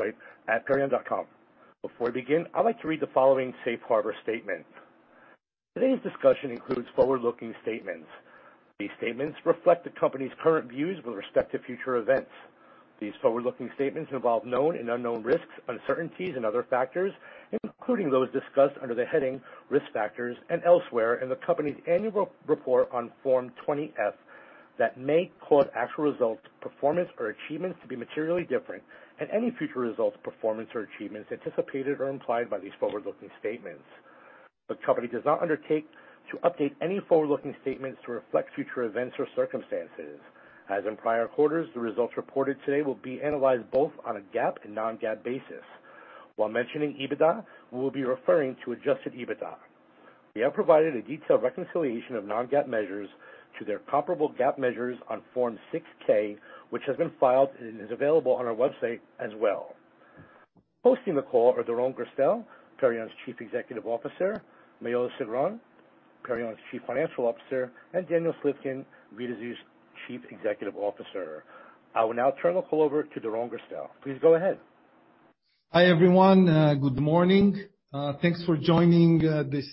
Right, perion.com. Before we begin, I'd like to read the following safe harbor statement. Today's discussion includes forward-looking statements. These statements reflect the company's current views with respect to future events. These forward-looking statements involve known and unknown risks, uncertainties, and other factors, including those discussed under the heading "Risk factors" and elsewhere in the company's annual report on Form 20-F that may cause actual results, performance, or achievements to be materially different and any future results, performance, or achievements anticipated or implied by these forward-looking statements. The company does not undertake to update any forward-looking statements to reflect future events or circumstances. As in prior quarters, the results reported today will be analyzed both on a GAAP and non-GAAP basis. While mentioning EBITDA, we will be referring to adjusted EBITDA. We have provided a detailed reconciliation of non-GAAP measures to their comparable GAAP measures on Form 6-K, which has been filed and is available on our website as well. Hosting the call are Doron Gerstel, Perion's Chief Executive Officer, Maoz Sigron, Perion's Chief Financial Officer, and Daniel Slivkin, Vidazoo's Chief Executive Officer. I will now turn the call over to Doron Gerstel. Please go ahead. Hi, everyone. Good morning. Thanks for joining this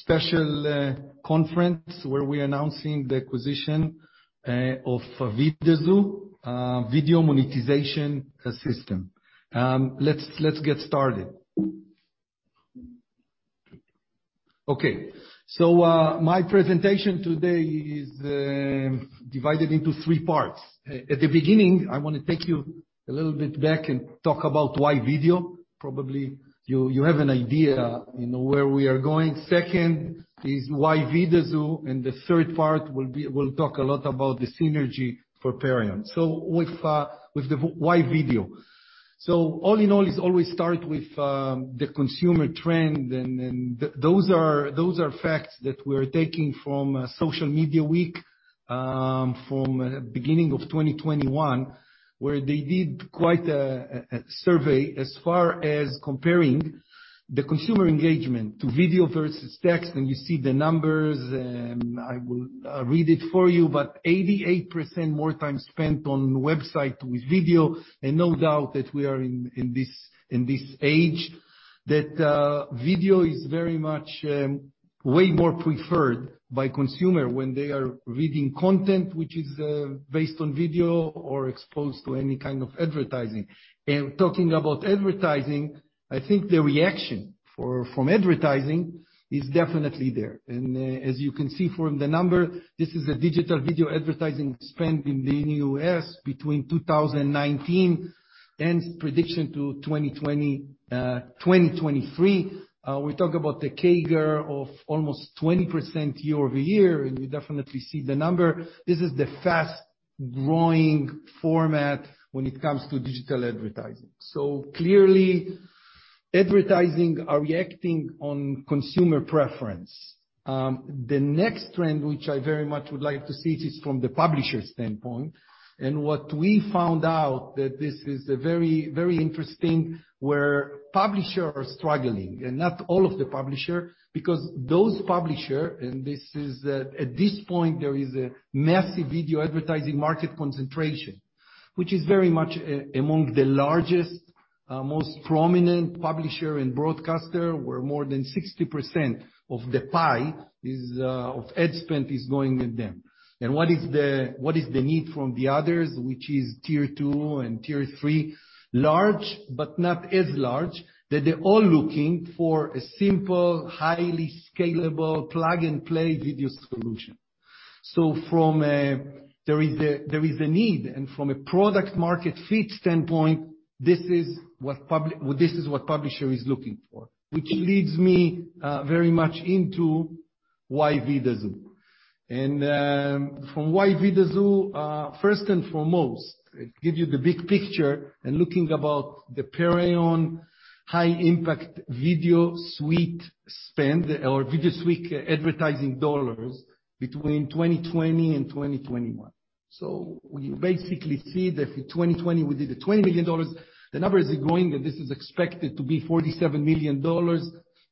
special conference where we're announcing the acquisition of Vidazoo Video Monetization System. Let's get started. Okay. My presentation today is divided into three parts. At the beginning, I want to take you a little bit back and talk about why video. Probably you have an idea where we are going. Second is why Vidazoo, and the third part, we'll talk a lot about the synergy for Perion. With why video. All in all, it always start with the consumer trend, and those are facts that we're taking from Social Media Week from beginning of 2021, where they did quite a survey as far as comparing the consumer engagement to video versus text, and you see the numbers, and I will read it for you. 88% more time spent on website with video, and no doubt that we are in this age that video is very much way more preferred by consumer when they are reading content, which is based on video or exposed to any kind of advertising. Talking about advertising, I think the reaction from advertising is definitely there. As you can see from the number, this is a digital video advertising spend in the U.S. between 2019 and prediction to 2023. We talk about the CAGR of almost 20% year-over-year, and you definitely see the number. This is the fast-growing format when it comes to digital advertising. Clearly, advertising are reacting on consumer preference. The next trend, which I very much would like to see, is from the publisher standpoint. What we found out that this is very interesting, where publishers are struggling, not all of the publisher, because those publisher, at this point, there is a massive video advertising market concentration, which is very much among the largest, most prominent publisher and broadcaster, where more than 60% of the pie of ad spend is going with them. What is the need from the others, which is tier 2 and tier 3? Large, but not as large, that they're all looking for a simple, highly scalable plug-and-play video solution. There is a need, from a product-market-fit standpoint, this is what publisher is looking for, which leads me very much into why Vidazoo. From why Vidazoo, first and foremost, give you the big picture and looking about the Perion high-impact video suite spend or video suite advertising dollars between 2020 and 2021. We basically see that for 2020, we did the $20 million. The number is growing, and this is expected to be $47 million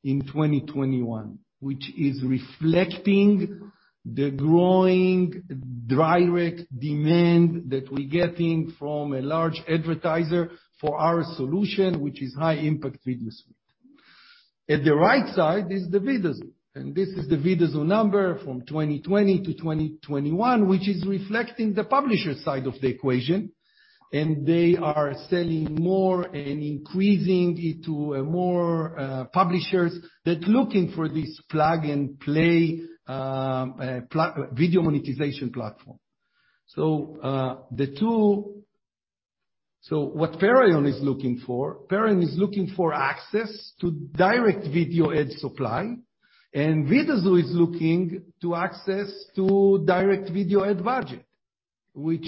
in 2021, which is reflecting the growing direct demand that we're getting from a large advertiser for our solution, which is high-impact video suite. At the right side is the Vidazoo, and this is the Vidazoo number from 2020 to 2021, which is reflecting the publisher side of the equation, and they are selling more and increasing it to more publishers that looking for this plug-and-play video monetization platform. What Perion is looking for, Perion is looking for access to direct video ad supply, and Vidazoo is looking to access to direct video ad budget, which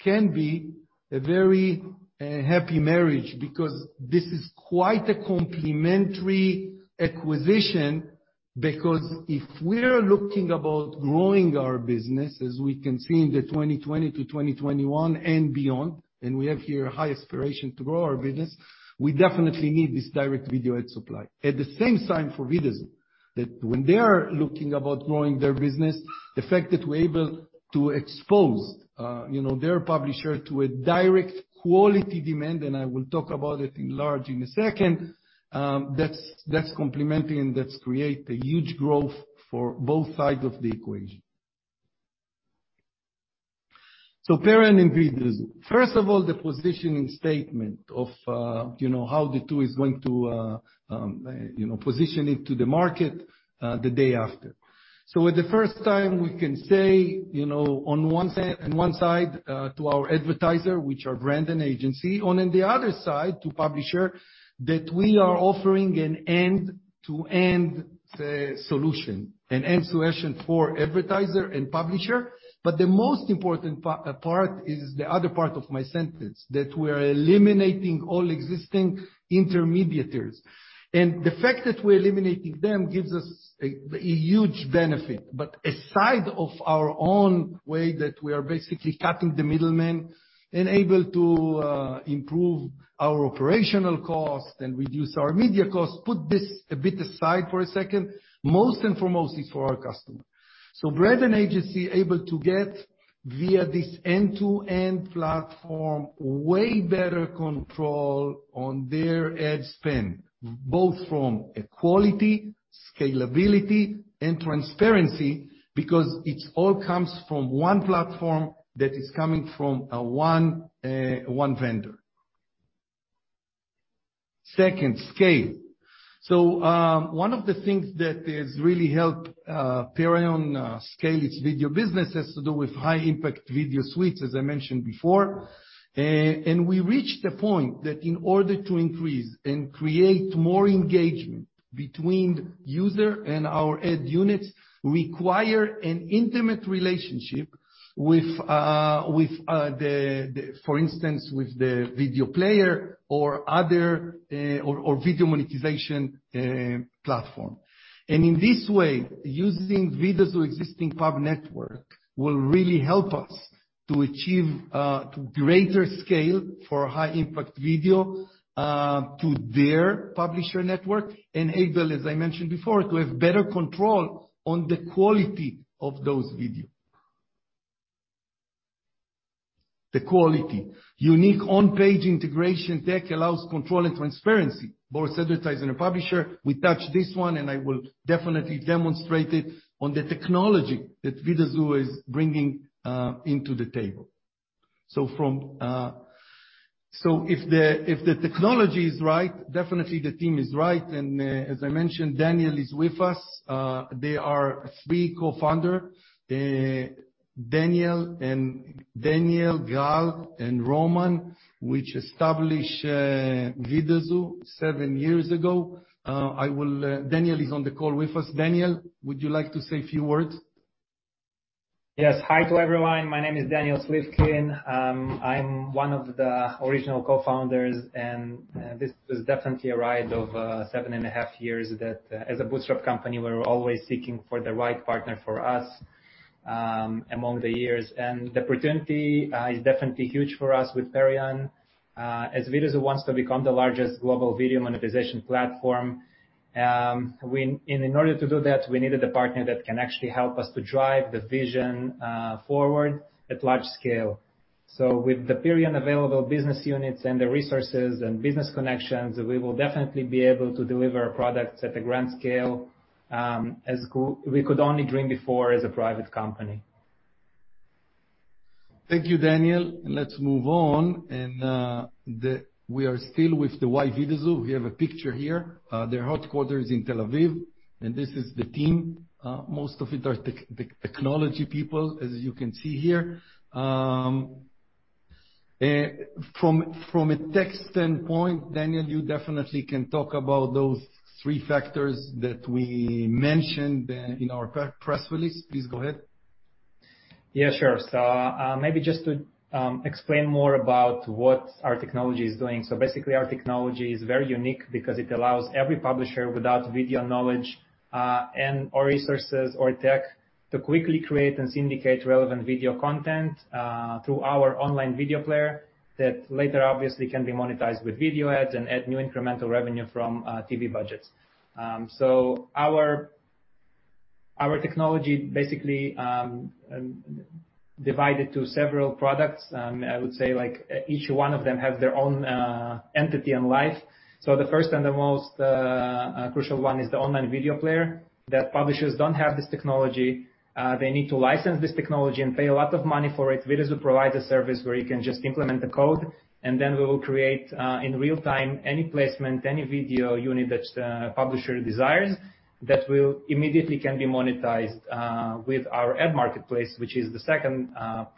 can be a very happy marriage because this is quite a complementary acquisition because if we're looking about growing our business, as we can see in the 2020 to 2021 and beyond, and we have here high aspiration to grow our business, we definitely need this direct video ad supply. At the same time for Vidazoo, that when they are looking about growing their business, the fact that we're able to expose their publisher to a direct quality demand, and I will talk about it at large in a second, that's complementing, and that creates a huge growth for both sides of the equation. Perion and Vidazoo. First of all, the positioning statement of how the two is going to position into the market the day after. For the first time, we can say, on one side to our advertiser, which are brand and agency, and on the other side to publisher, that we are offering an end-to-end solution. An end solution for advertiser and publisher. The most important part is the other part of my sentence, that we're eliminating all existing intermediators. The fact that we're eliminating them gives us a huge benefit. Aside of our own way, that we are basically cutting the middleman and able to improve our operational cost and reduce our media cost, put this a bit aside for a second, most and foremost it's for our customer. Brand and agency are able to get, via this end-to-end platform, way better control on their ad spend, both from quality, scalability, and transparency, because it all comes from one platform that is coming from one vendor. Second, scale. One of the things that has really helped Perion scale its video business has to do with high-impact video suite, as I mentioned before. We reached the point that in order to increase and create more engagement between user and our ad units, require an intimate relationship, for instance, with the video player or video monetization platform. In this way, using Vidazoo existing pub network will really help us to achieve greater scale for high-impact video to their publisher network and able, as I mentioned before, to have better control on the quality of those videos. The quality. Unique on-page integration tech allows control and transparency, both advertiser and publisher. We touched this one, and I will definitely demonstrate it on the technology that Vidazoo is bringing into the table. If the technology is right, definitely the team is right. As I mentioned, Daniel is with us. They are three co-founder, Daniel, Gal, and Roman, which established Vidazoo seven years ago. Daniel is on the call with us. Daniel, would you like to say a few words? Yes. Hi to everyone. My name is Daniel Slivkin. I'm one of the original co-founders, this was definitely a ride of 7.5 years that, as a bootstrap company, we were always seeking for the right partner for us among the years. The opportunity is definitely huge for us with Perion, as Vidazoo wants to become the largest global video monetization platform. In order to do that, we needed a partner that can actually help us to drive the vision forward at large scale. With the Perion available business units and the resources and business connections, we will definitely be able to deliver products at a grand scale, as we could only dream before as a private company. Thank you, Daniel. Let's move on. We are still with the why Vidazoo. We have a picture here. Their headquarters in Tel Aviv, and this is the team. Most of it are technology people, as you can see here. From a tech standpoint, Daniel, you definitely can talk about those three factors that we mentioned in our press release. Please go ahead. Yeah, sure. Maybe just to explain more about what our technology is doing. Our technology is very unique because it allows every publisher without video knowledge or resources or tech to quickly create and syndicate relevant video content through our online video player, that later obviously can be monetized with video ads and add new incremental revenue from TV budgets. Our technology basically divided to several products. I would say, each one of them have their own entity and life. The first and the most crucial one is the online video player. The publishers don't have this technology. They need to license this technology and pay a lot of money for it. Vidazoo provides a service where you can just implement the code, and then we will create, in real time, any placement, any video you need that publisher desires, that will immediately can be monetized with our ad marketplace, which is the second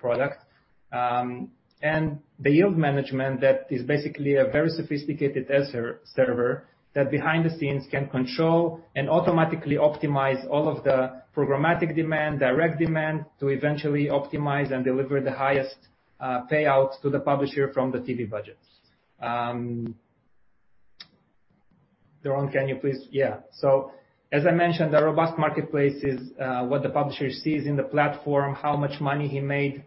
product. The yield management, that is basically a very sophisticated ad server that behind the scenes can control and automatically optimize all of the programmatic demand, direct demand, to eventually optimize and deliver the highest payouts to the publisher from the TV budgets. Doron, can you please? Yeah. As I mentioned, the robust marketplace is what the publisher sees in the platform, how much money he made.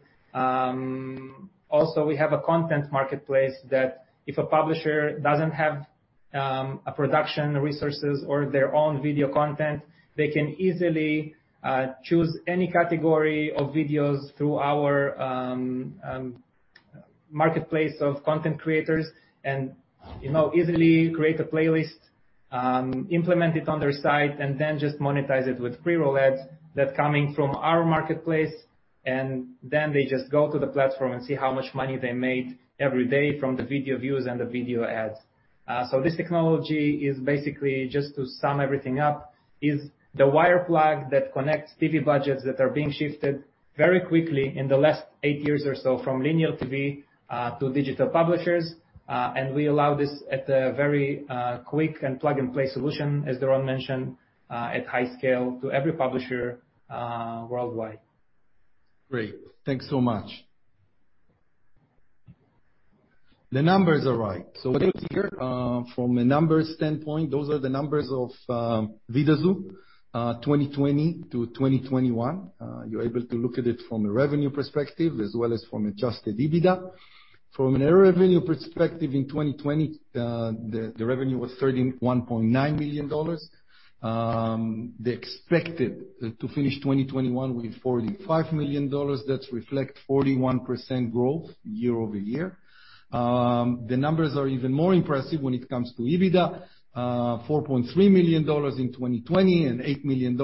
Also, we have a content marketplace that if a publisher doesn't have a production resources or their own video content. They can easily choose any category of videos through our marketplace of content creators and easily create a playlist, implement it on their site, and then just monetize it with pre-roll ads that's coming from our marketplace. Then they just go to the platform and see how much money they made every day from the video views and the video ads. This technology is basically, just to sum everything up, is the wire plug that connects TV budgets that are being shifted very quickly in the last eight years or so from linear TV, to digital publishers. We allow this at a very quick and plug-and-play solution, as Doron mentioned, at high scale to every publisher worldwide. Great. Thanks so much. The numbers are right. What you see here, from a numbers standpoint, those are the numbers of Vidazoo 2020-2021. You're able to look at it from a revenue perspective as well as from adjusted EBITDA. From a revenue perspective in 2020, the revenue was $31.9 million. They expected to finish 2021 with $45 million. That reflect 41% growth year-over-year. The numbers are even more impressive when it comes to EBITDA, $4.3 million in 2020 and $8 million in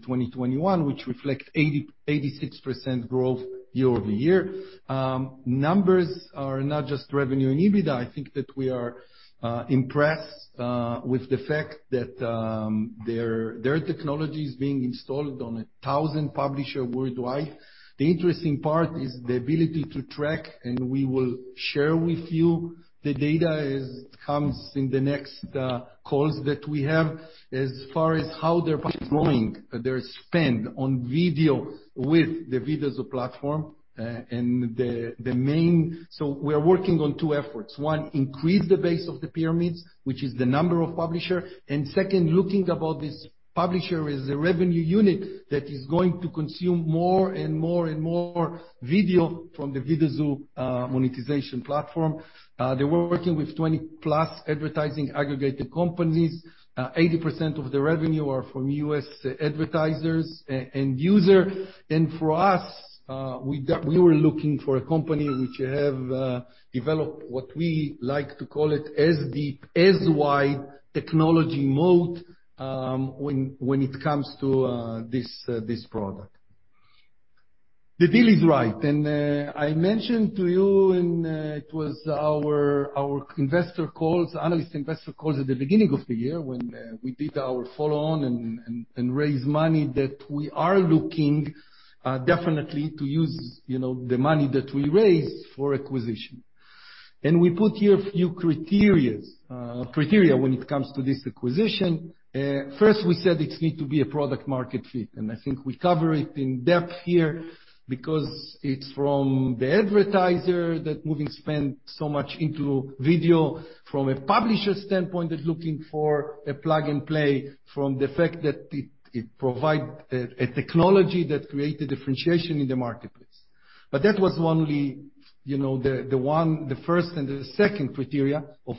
2021, which reflect 86% growth year-over-year. Numbers are not just revenue and EBITDA. I think that we are impressed with the fact that their technology is being installed on 1,000 publisher worldwide. The interesting part is the ability to track. We will share with you the data as it comes in the next calls that we have, as far as how they're deploying their spend on video with the Vidazoo platform. We are working on two efforts. One, increase the base of the pyramids, which is the number of publisher. Second, looking about this publisher as a revenue unit that is going to consume more and more video from the Vidazoo monetization platform. They were working with 20+ advertising aggregated companies. 80% of the revenue are from U.S. advertisers and user. For us, we were looking for a company which have, develop what we like to call it as the SY technology moat, when it comes to this product. The deal is right. I mentioned to you in, it was our investor calls, analyst investor calls at the beginning of the year when we did our follow-on and raised money that we are looking definitely to use the money that we raised for acquisition. We put here a few criteria when it comes to this acquisition. First, we said it need to be a product market fit, and I think we cover it in depth here because it's from the advertiser that moving spend so much into video, from a publisher standpoint, that looking for a plug and play from the fact that it provide a technology that create a differentiation in the marketplace. That was only the first and the second criteria of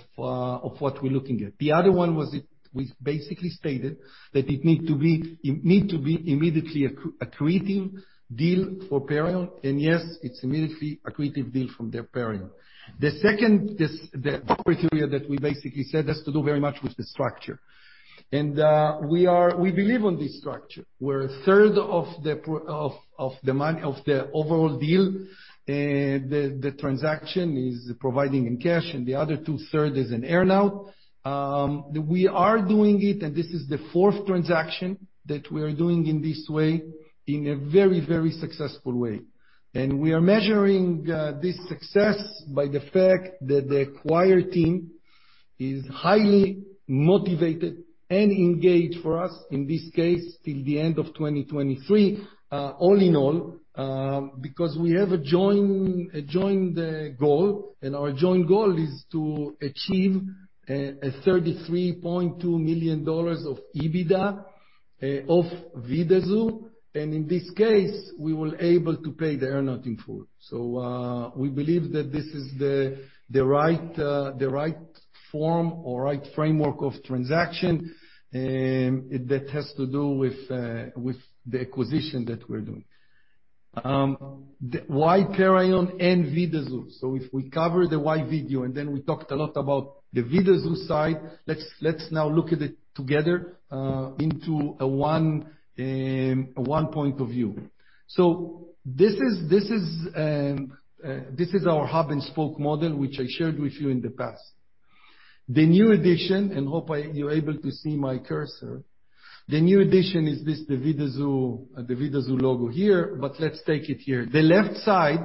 what we're looking at. The other one was we basically stated that it need to be immediately accretive deal for Perion. Yes, it's immediately accretive deal from their Perion Network. The second, the core criteria that we basically said has to do very much with the structure. We believe on this structure, where a third of the overall deal, the transaction is providing in cash and the other two third is an earn out. We are doing it, and this is the fourth transaction that we are doing in this way, in a very successful way. We are measuring this success by the fact that the acquired team is highly motivated and engaged for us, in this case, till the end of 2023. All in all, because we have a joint goal, and our joint goal is to achieve a $33.2 million of EBITDA of Vidazoo. In this case, we will able to pay the earn out in full. We believe that this is the right form or right framework of transaction that has to do with the acquisition that we're doing. Why Perion and Vidazoo? If we cover the why video, and then we talked a lot about the Vidazoo side, let's now look at it together into one point of view. This is our hub and spoke model, which I shared with you in the past. The new addition, and hope you're able to see my cursor. The new addition is this, the Vidazoo logo here, but let's take it here. The left side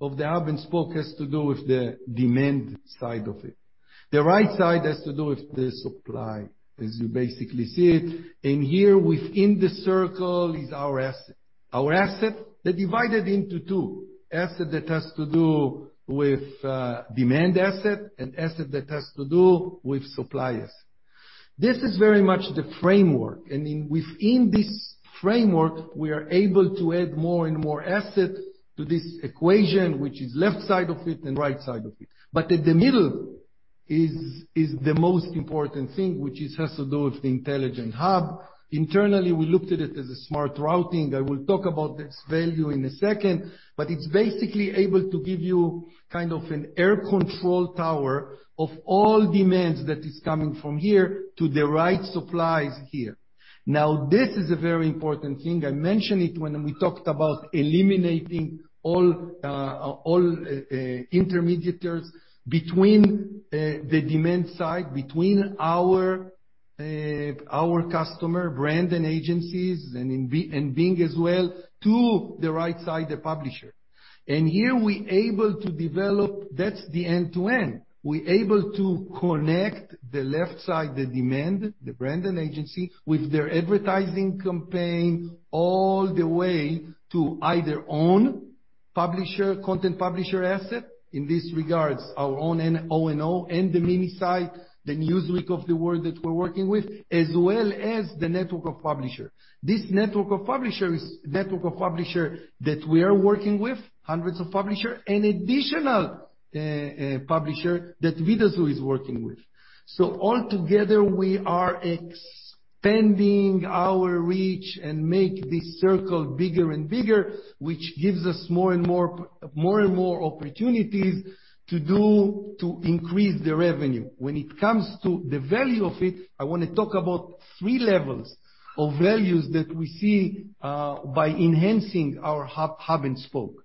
of the hub and spoke has to do with the demand side of it. The right side has to do with the supply as you basically see it. Here within the circle is our asset. Our asset, they're divided into two. Asset that has to do with demand asset and asset that has to do with supply asset. This is very much the framework. Within this framework, we are able to add more and more assets to this equation, which is left side of it and right side of it. At the middle is the most important thing, which has to do with the intelligent hub. Internally, we looked at it as a smart routing. I will talk about its value in a second, but it's basically able to give you kind of an air control tower of all demands that is coming from here to the right supplies here. This is a very important thing. I mentioned it when we talked about eliminating all intermediators between the demand side, between our customer brand and agencies, and Bing as well, to the right side, the publisher. Here we able to develop, that's the end-to-end. We able to connect the left side, the demand, the brand and agency, with their advertising campaign, all the way to either own publisher, content publisher asset. In this regards, our own O&O and the mini site, the Newsweek of the world that we're working with, as well as the network of publisher. This network of publisher is network of publisher that we are working with, hundreds of publisher, and additional publisher that Vidazoo is working with. All together, we are expanding our reach and make this circle bigger and bigger, which gives us more and more opportunities to increase the revenue. When it comes to the value of it, I want to talk about three levels of values that we see by enhancing our hub and spoke.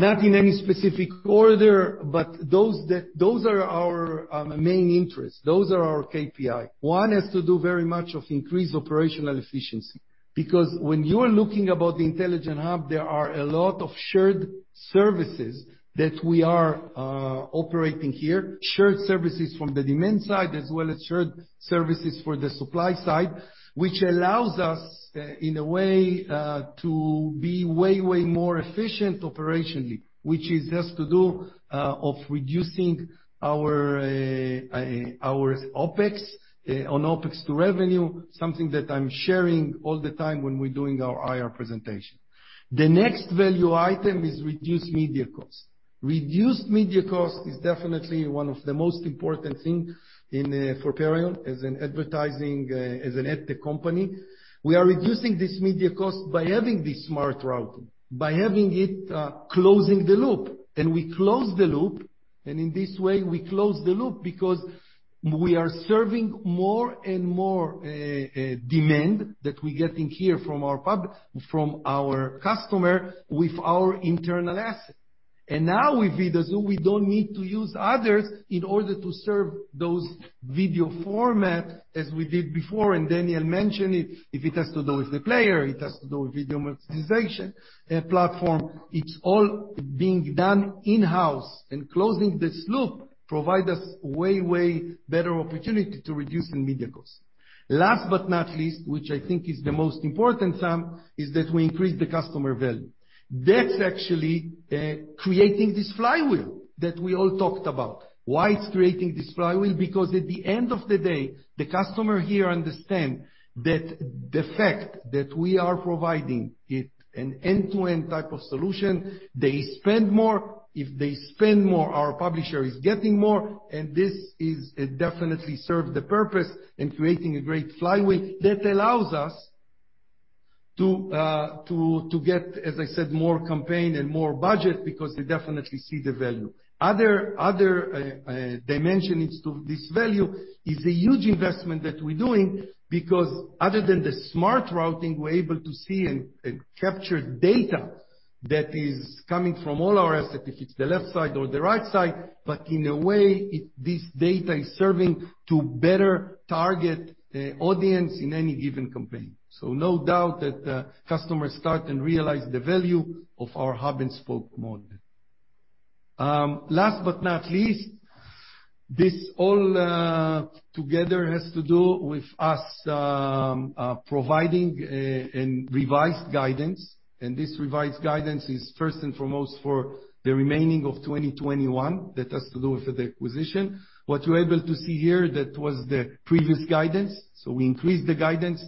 Not in any specific order, but those are our main interests. Those are our KPI. One has to do very much of increased operational efficiency. When you are looking about the intelligent hub, there are a lot of shared services that we are operating here, shared services from the demand side, as well as shared services for the supply side, which allows us, in a way, to be way more efficient operationally, which has to do of reducing our OpEx, on OpEx to revenue, something that I'm sharing all the time when we're doing our IR presentation. The next value item is reduced media cost. Reduced media cost is definitely one of the most important thing for Perion as an advertising, as an ad tech company. We are reducing this media cost by having this smart routing, by having it closing the loop. We close the loop, and in this way, we close the loop because we are serving more and more demand that we're getting here from our customer with our internal asset. Now with Vidazoo, we don't need to use others in order to serve those video format as we did before. Daniel mentioned it, if it has to do with the player, it has to do with video monetization platform. It's all being done in-house. Closing this loop provide us way better opportunity to reducing media cost. Last but not least, which I think is the most important thing, is that we increase the customer value. That's actually creating this flywheel that we all talked about. Why it's creating this flywheel? At the end of the day, the customer here understand that the fact that we are providing it an end-to-end type of solution, they spend more. If they spend more, our publisher is getting more, this definitely serve the purpose in creating a great flywheel that allows us to get, as I said, more campaign and more budget because they definitely see the value. Other dimension into this value is a huge investment that we're doing because other than the smart routing, we're able to see and capture data that is coming from all our asset, if it's the left side or the right side, but in a way, this data is serving to better target audience in any given campaign. No doubt that customers start and realize the value of our hub-and-spoke model. Last but not least, this all together has to do with us providing a revised guidance. This revised guidance is first and foremost for the remaining of 2021. That has to do with the acquisition. What you're able to see here, that was the previous guidance. We increased the guidance,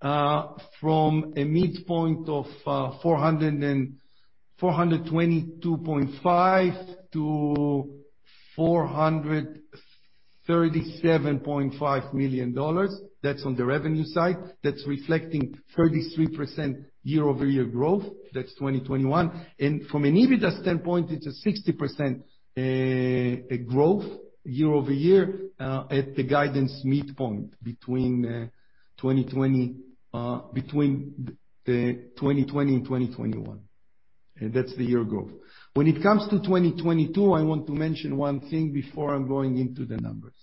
from a midpoint of $422.5 million-$437.5 million. That's on the revenue side. That's reflecting 33% year-over-year growth. That's 2021. From an EBITDA standpoint, it's a 60% growth year-over-year, at the guidance midpoint between the 2020 and 2021. That's the year growth. When it comes to 2022, I want to mention one thing before I'm going into the numbers.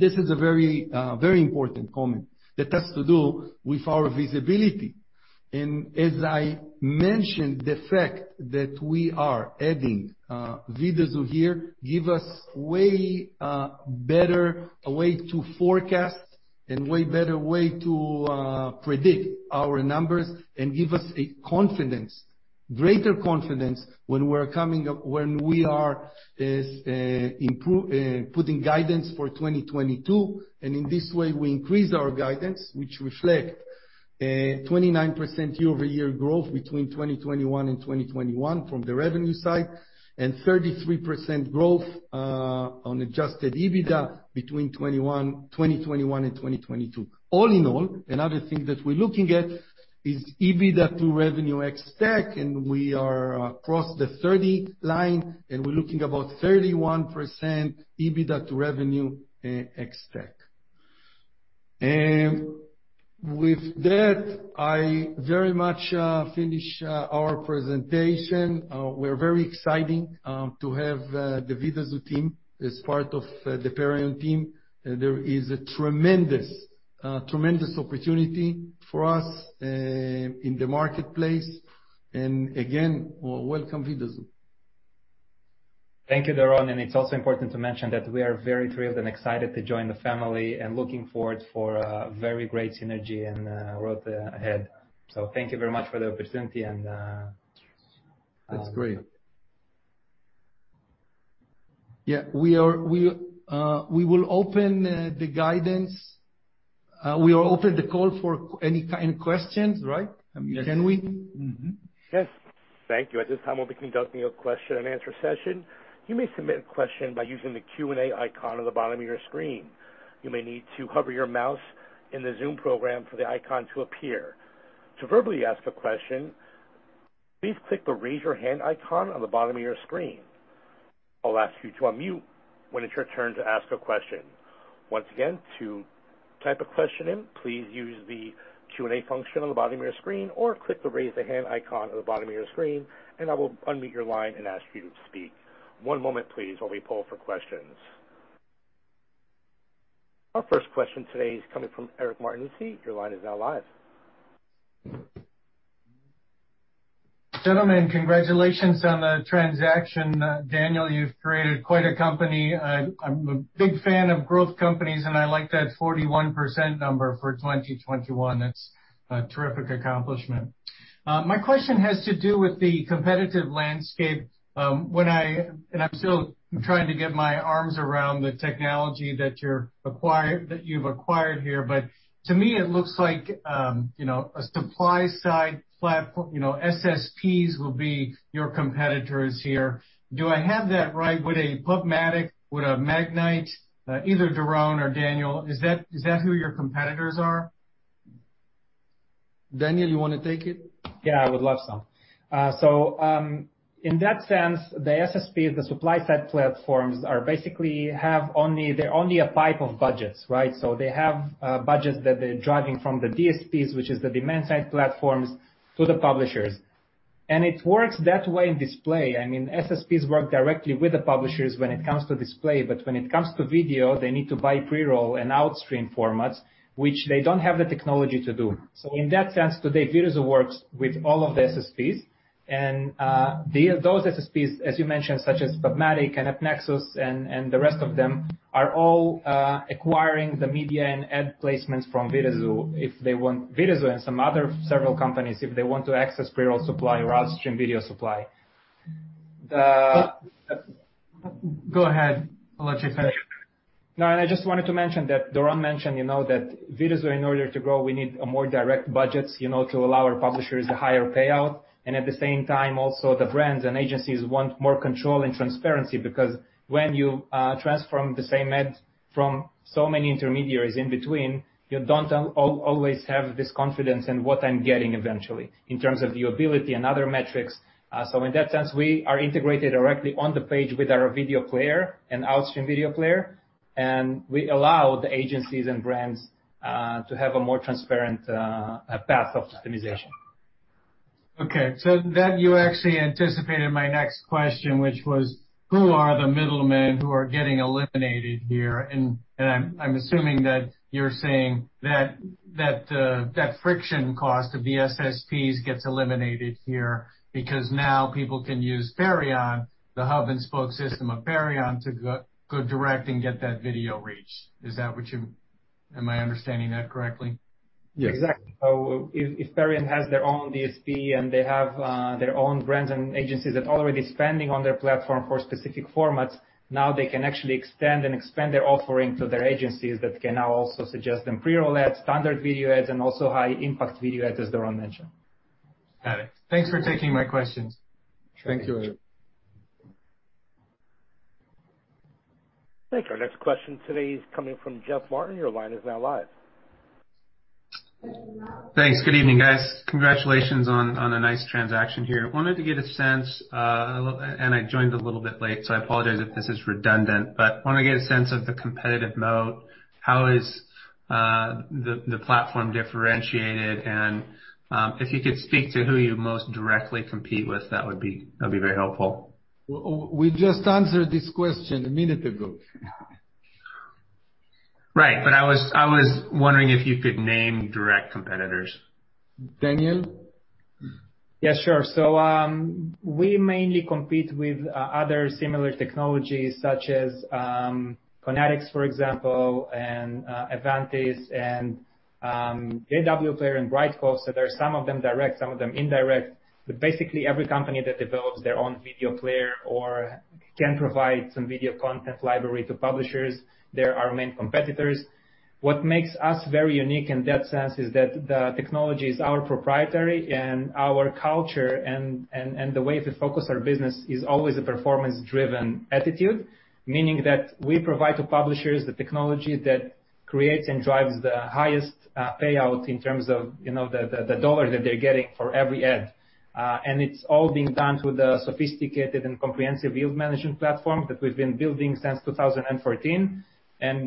This is a very important comment that has to do with our visibility. As I mentioned, the fact that we are adding Vidazoo here give us way better way to forecast and way better way to predict our numbers and give us a confidence, greater confidence, when we are putting guidance for 2022. In this way, we increase our guidance, which reflect a 29% year-over-year growth between 2021 and 2021 from the revenue side, and 33% growth on adjusted EBITDA between 2021 and 2022. All in all, another thing that we're looking at is EBITDA to revenue ex-tech, and we are across the 30 line, and we're looking about 31% EBITDA to revenue ex-tech. With that, I very much finish our presentation. We're very exciting to have the Vidazoo team as part of the Perion team. There is a tremendous opportunity for us in the marketplace. Again, welcome, Vidazoo. Thank you, Doron. It's also important to mention that we are very thrilled and excited to join the family and looking forward for a very great synergy and road ahead. Thank you very much for the opportunity. That's great. Yeah. We will open the guidance. We will open the call for any kind of questions, right? Yes. Can we? Yes. Thank you. At this time, we'll be conducting a question and answer session. You may submit a question by using the Q&A icon on the bottom of your screen. You may need to hover your mouse in the Zoom program for the icon to appear. To verbally ask a question, please click the raise your hand icon on the bottom of your screen. I'll ask you to unmute when it's your turn to ask a question. Once again, to type a question in, please use the Q&A function on the bottom of your screen, or click the raise a hand icon on the bottom of your screen, and I will unmute your line and ask you to speak. One moment, please, while we pull for questions. Our first question today is coming from Eric Martinuzzi. Your line is now live. Gentlemen, congratulations on the transaction. Daniel, you've created quite a company. I'm a big fan of growth companies, and I like that 41% number for 2021. That's a terrific accomplishment. My question has to do with the competitive landscape. I'm still trying to get my arms around the technology that you've acquired here, but to me, it looks like a supply-side platform, SSPs will be your competitors here. Do I have that right? Would a PubMatic, would a Magnite, either Doron or Daniel, is that who your competitors are? Daniel, you want to take it? Yeah, I would love so. In that sense, the SSP, the supply-side platforms are basically only a pipe of budgets, right? They have budgets that they're driving from the DSPs, which is the demand-side platforms, to the publishers. It works that way in display. SSPs work directly with the publishers when it comes to display, but when it comes to video, they need to buy pre-roll and outstream formats, which they don't have the technology to do. In that sense, today, Vidazoo works with all of the SSPs. Those SSPs, as you mentioned, such as PubMatic and AppNexus and the rest of them, are all acquiring the media and ad placements from Vidazoo. If they want Vidazoo and some other several companies, if they want to access pre-roll supply or outstream video supply. Go ahead. I'll let you finish. No, I just wanted to mention that Doron mentioned that Vidazoo, in order to grow, we need more direct budgets to allow our publishers a higher payout. At the same time, also, the brands and agencies want more control and transparency because when you transform the same ad from so many intermediaries in between, you don't always have this confidence in what I'm getting eventually, in terms of viewability and other metrics. In that sense, we are integrated directly on the page with our video player and outstream video player, and we allow the agencies and brands to have a more transparent path of optimization. You actually anticipated my next question, which was, who are the middlemen who are getting eliminated here? I'm assuming that you're saying that that friction cost of the SSPs gets eliminated here because now people can use Perion, the hub and spoke system of Perion, to go direct and get that video reach. Am I understanding that correctly? Yes. Exactly. If Perion has their own DSP and they have their own brands and agencies that are already spending on their platform for specific formats, now they can actually extend and expand their offering to their agencies that can now also suggest them pre-roll ads, standard video ads, and also High impact video ads, as Doron mentioned. Got it. Thanks for taking my questions. Thank you, Eric. Thanks. Our next question today is coming from Jeff Martin. Your line is now live. Thanks. Good evening, guys. Congratulations on a nice transaction here. Wanted to get a sense, and I joined a little bit late, so I apologize if this is redundant. I want to get a sense of the competitive moat. How is the platform differentiated? If you could speak to who you most directly compete with, that'd be very helpful. We just answered this question a minute ago. Right. I was wondering if you could name direct competitors. Daniel? Yeah, sure. We mainly compete with other similar technologies such as Connatix, for example, and Avantis, and JW Player and Brightcove. There are some of them direct, some of them indirect, but basically, every company that develops their own video player or can provide some video content library to publishers, they're our main competitors. What makes us very unique in that sense is that the technology is our proprietary and our culture and the way we focus our business is always a performance-driven attitude, meaning that we provide to publishers the technology that creates and drives the highest payout in terms of the dollar that they're getting for every ad. It's all being done through the sophisticated and comprehensive yield management platform that we've been building since 2014.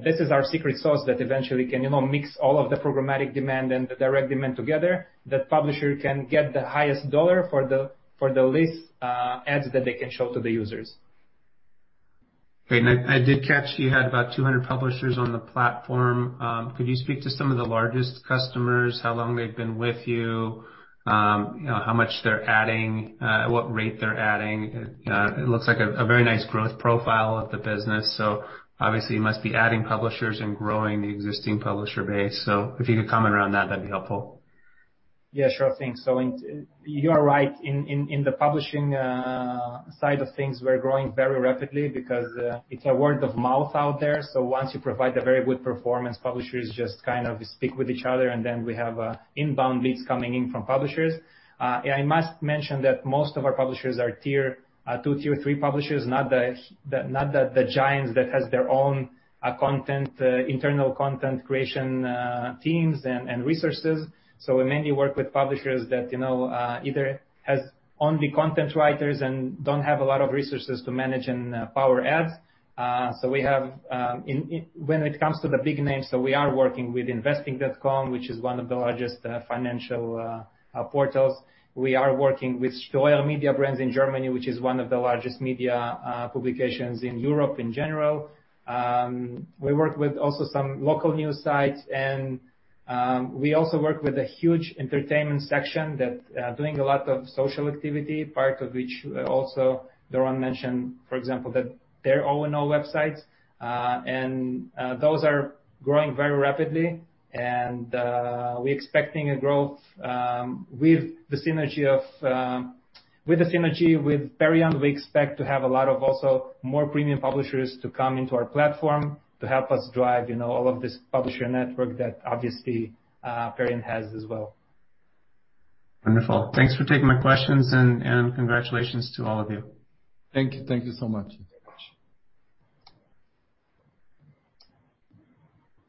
This is our secret sauce that eventually can mix all of the programmatic demand and the direct demand together, that publisher can get the highest dollar for the least ads that they can show to the users. Great. I did catch you had about 200 publishers on the platform. Could you speak to some of the largest customers, how long they've been with you, how much they're adding, at what rate they're adding? It looks like a very nice growth profile of the business, so obviously you must be adding publishers and growing the existing publisher base. If you could comment around that'd be helpful. Yeah, sure thing. You are right. In the publishing side of things, we're growing very rapidly because it's a word of mouth out there. Once you provide a very good performance, publishers just kind of speak with each other, and then we have inbound leads coming in from publishers. I must mention that most of our publishers are tier 2, tier 3 publishers, not the giants that has their own internal content creation teams and resources. We mainly work with publishers that either has only content writers and don't have a lot of resources to manage and power ads. When it comes to the big names, we are working with Investing.com, which is one of the largest financial portals. We are working with Ströer Media Brands in Germany, which is one of the largest media publications in Europe in general. We work with also some local news sites, and we also work with a huge entertainment section that doing a lot of social activity, part of which also Doron mentioned, for example, that their O&O websites, and those are growing very rapidly. We expecting a growth with the synergy with Perion, we expect to have a lot of also more premium publishers to come into our platform to help us drive all of this publisher network that obviously Perion has as well. Wonderful. Thanks for taking my questions, and congratulations to all of you. Thank you so much.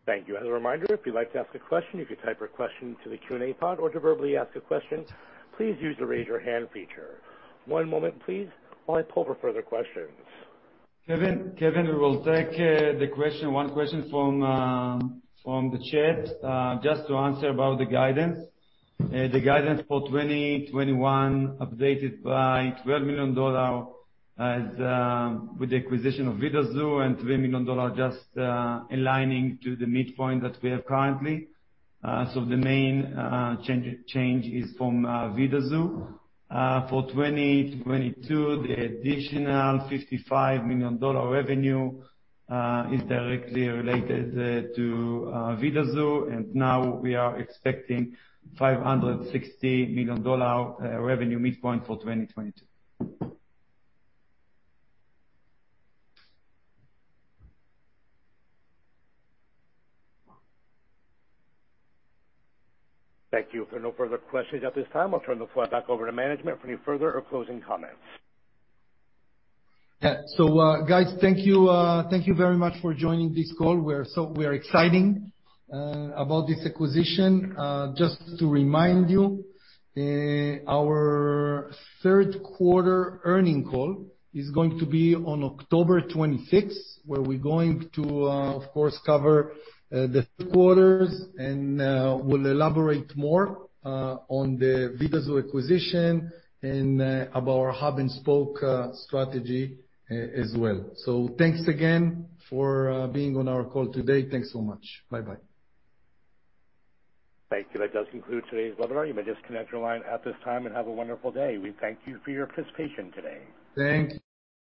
Thank you. As a reminder, if you'd like to ask a question, you can type your question into the Q&A pod or to verbally ask a question, please use the raise your hand feature. One moment please while I poll for further questions. Kevin, we will take one question from the chat. Just to answer about the guidance. The guidance for 2021 updated by $12 million with the acquisition of Vidazoo and $3 million just aligning to the midpoint that we have currently. The main change is from Vidazoo. For 2022, the additional $55 million revenue is directly related to Vidazoo, and now we are expecting $560 million revenue midpoint for 2022. Thank you. If there are no further questions at this time, I'll turn the floor back over to management for any further or closing comments. Yeah. Guys, thank you very much for joining this call. We are excited about this acquisition. Just to remind you, our third quarter earning call is going to be on October 26th, where we're going to, of course, cover the third quarters, and we'll elaborate more on the Vidazoo acquisition and about our hub and spoke strategy as well. Thanks again for being on our call today. Thanks so much. Bye-bye. Thank you. That does conclude today's webinar. You may disconnect your line at this time, and have a wonderful day. We thank you for your participation today. Thanks.